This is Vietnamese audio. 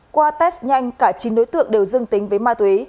qua test nhanh cả chín đối tượng đều dương tính với ma túy